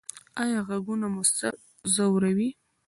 ایا غږونه مو سر ځوروي؟